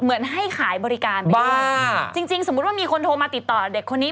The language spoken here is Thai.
เหมือนให้ขายบริการไปด้วยอ่าจริงจริงสมมุติว่ามีคนโทรมาติดต่อเด็กคนนี้